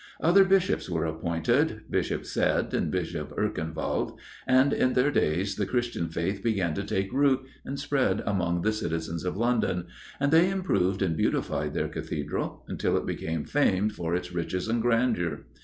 Other Bishops were appointed Bishop Cedd and Bishop Erkenwald and in their days the Christian Faith began to take root again, and spread among the citizens of London, and they improved and beautified their Cathedral until it became famed for its riches and grandeur.